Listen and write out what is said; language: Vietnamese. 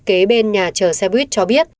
kế bên nhà chở xe buýt cho biết